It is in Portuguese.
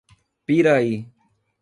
Piraí